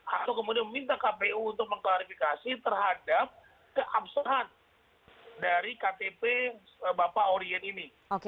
atau kemudian meminta kpu untuk mengklarifikasi terhadap keabsahan dari ktp bapak orien ini